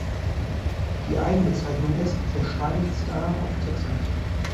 Die Eigenbezeichnung ist: "The Shining Star of Texas".